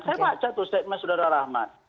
saya baca tuh statement saudara rahmat